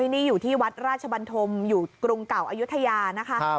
นี่อยู่ที่วัดราชบันธมอยู่กรุงเก่าอายุทยานะคะ